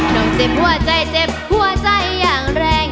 น้องเจ็บหัวใจเจ็บหัวใจอย่างแรง